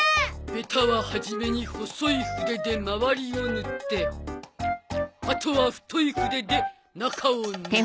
ベタははじめに細い筆で周りを塗ってあとは太い筆で中を塗る。